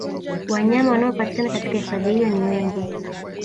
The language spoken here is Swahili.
Wanyama wanaopatikana katika hifadhi hiyo ni wengi